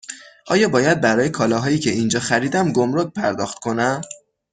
آیا باید برای کالاهایی که اینجا خریدم گمرگ پرداخت کنم؟